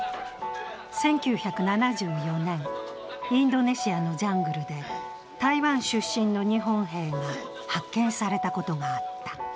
１９７４年、インドネシアのジャングルで台湾出身の日本兵が発見されたことがあった。